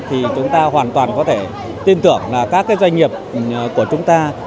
thì chúng ta hoàn toàn có thể tin tưởng là các doanh nghiệp của chúng ta